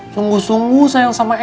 sungguh sungguh sayang sama mami